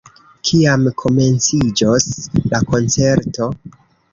Kiam komenciĝos la koncerto?